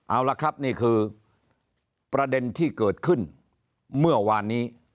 เอาละครับนี่คือประเด็นที่เกิดขึ้นเมื่อวานนี้